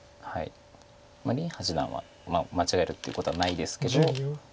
林八段は間違えるっていうことはないですけど。